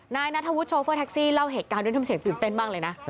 นายนัทธวุฒิโชเฟอร์แท็กซี่เล่าเหตุการณ์ด้วยทำเสียงตื่นเต้นมากเลยนะ